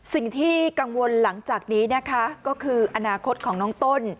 สิ่งที่กังวลหลังจากนี้นะคะก็คืออนาคตของน้องต้น